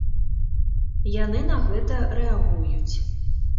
Яны на гэта рэагуюць.